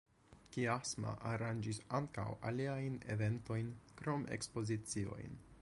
Kiasma aranĝas ankaŭ aliajn eventojn krom ekspoziciojn.